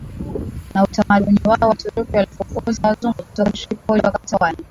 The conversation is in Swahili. na utamaduni wao Waturuki walifukuza Wazungu kutoka Tripoli wakatawala